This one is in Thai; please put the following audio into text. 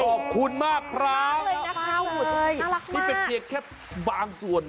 ขอบคุณมากคร้าวน่ารักมากนี่เป็นเกียรติแค่บางส่วน